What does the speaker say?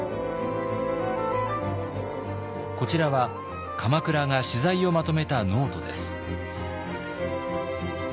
こちらは鎌倉が取材をまとめたノートです。